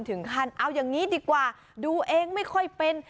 ถึงขั้นเอาอย่างนี้ดีกว่าดูเองไม่ค่อยเป็น